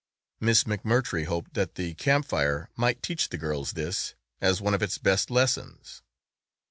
Miss McMurtry hoped that the Camp Fire might teach the girls this as one of its best lessons.